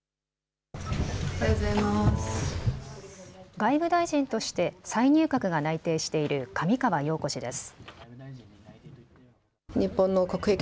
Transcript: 外務大臣として再入閣が内定している上川陽子氏です。